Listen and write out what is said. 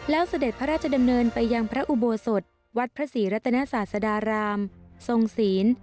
แล้วเสด็จพระราชดำเนินไปยังพระอุโบสถวัดพระศรีรัตนศาสดารามทรงศีล